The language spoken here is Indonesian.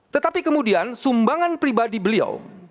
tetapi kemudian sumbangan pribadi beliau